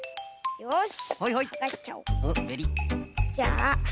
よし！